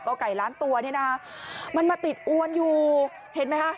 ก็ไก่ล้านตัวเนี่ยนะคะมันมาติดอวนอยู่เห็นไหมคะ